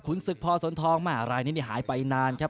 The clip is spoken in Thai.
ขุนสึกพอศนทองไหนอาลายนี้หายไปนานครับ